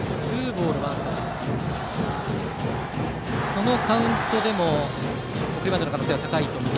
このカウントでも送りバントの可能性が高いと。